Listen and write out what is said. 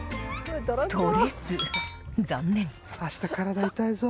取れず、残念。